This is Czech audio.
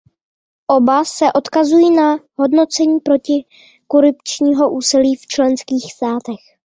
Oba se odkazují na hodnocení protikorupčního úsilí v členských státech.